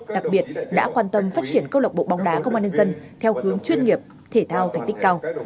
đặc biệt đã quan tâm phát triển câu lộc bộ bóng đá công an nhân dân theo hướng chuyên nghiệp thể thao thành tích cao